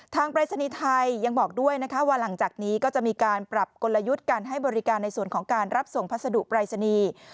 ปรายศนีย์ไทยยังบอกด้วยนะคะว่าหลังจากนี้ก็จะมีการปรับกลยุทธ์การให้บริการในส่วนของการรับส่งพัสดุปรายศนีย์